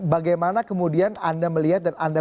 bagaimana kemudian anda melihat dan anda